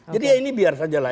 jadi ya ini biar saja lah